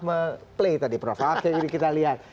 me play tadi prof oke ini kita lihat